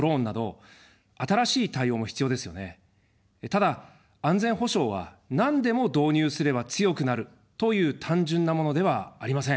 ただ、安全保障は、なんでも導入すれば強くなるという単純なものではありません。